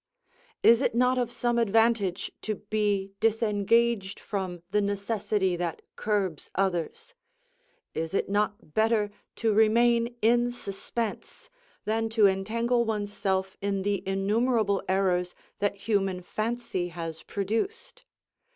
Is it not of some advantage to be disengaged from the necessity that curbs others? Is it not better to remain in suspense than to entangle one's self in the innumerable errors that human fancy has produced?